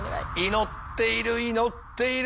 祈っている祈っている。